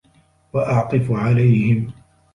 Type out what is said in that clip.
وَأَعْطِفُ عَلَيْهِمْ